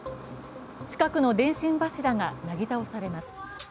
近くの電信柱がなぎ倒されます。